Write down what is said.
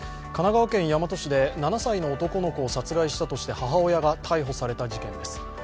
神奈川県大和市で７歳の男の子を殺害したとして母親が逮捕された事件です。